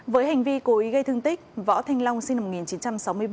với hành vi cố ý gây thương tích võ thanh long sinh năm một nghìn chín trăm sáu mươi ba